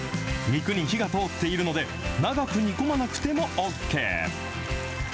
肉に火が通っているので、長く煮込まなくてもＯＫ。